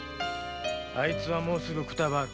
あいつはもうすぐくたばる。